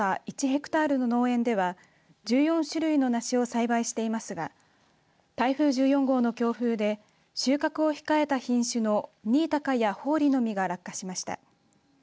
１ヘクタールの農園では１４種類の梨を栽培していますが台風１４号の強風で収穫を控えた品種の新高や豊里の実が落下しました。